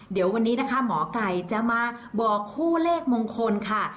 เดี๋ยววันนี้นะคะหมอไก่จะมาบอกคู่เลขมงคลค่ะ